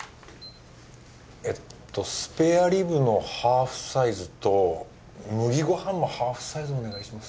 えっとスペアリブのハーフサイズと麦ご飯もハーフサイズお願いします。